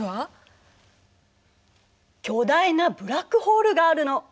巨大なブラックホールがあるの。